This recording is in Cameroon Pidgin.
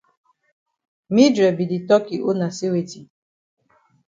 Mildred be di tok yi own na say weti?